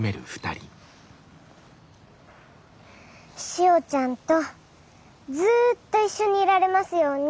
しおちゃんとずっと一緒にいられますように。